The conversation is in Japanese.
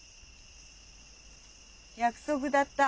約束だった。